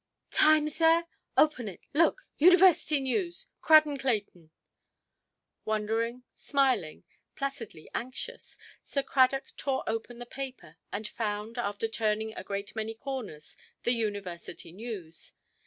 "Times there? Open it; look, University news! Crad and Clayton". Wondering, smiling, placidly anxious, Sir Cradock tore open the paper, and found, after turning a great many corners, the University news.